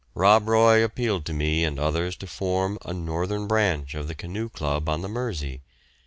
"Rob Roy" appealed to me and others to form a Northern branch of the Canoe Club on the Mersey.